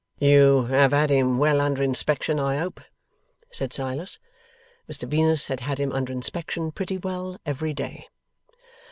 'You have had him well under inspection, I hope?' said Silas. Mr Venus had had him under inspection pretty well every day.